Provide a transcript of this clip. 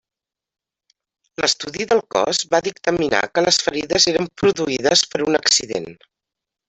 L’estudi del cos va dictaminar que les ferides eren produïdes per un accident.